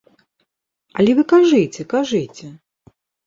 Але вы кажыце, кажыце.